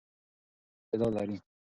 هر انسان یو استعداد لري.